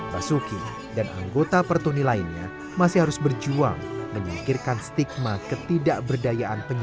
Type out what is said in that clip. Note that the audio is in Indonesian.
basuki dan anggota pertuni lainnya masih harus berjuang menyingkirkan stigma ketidakberdayaan penyakit